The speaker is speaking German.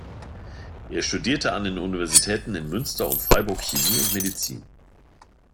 Er studierte an den Universitäten in Münster und Freiburg Chemie und Medizin.